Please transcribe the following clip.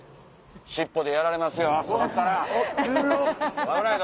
尻尾でやられますよ！